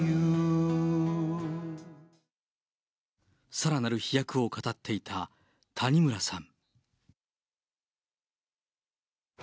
さらなる飛躍を語っていた谷村さん。